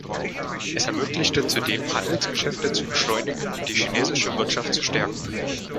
Es ermöglichte zudem, Handelsgeschäfte zu beschleunigen und die chinesische Wirtschaft zu stärken.